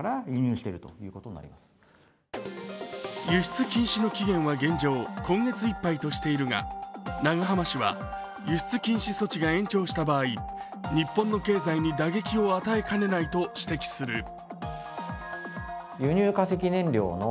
輸出禁止の期限は現状、今月いっぱいとしているが、永濱氏は輸出禁止措置が延長した場合、日本の経済に打撃を与えかねないと指摘する。